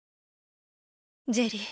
ジェリー。